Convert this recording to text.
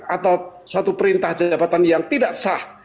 atau suatu perintah jabatan yang tidak sah